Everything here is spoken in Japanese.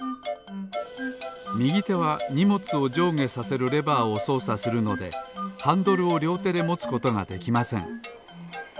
みぎてはにもつをじょうげさせるレバーをそうさするのでハンドルをりょうてでもつことができません。